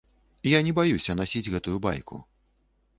Я не баюся насіць гэтую байку.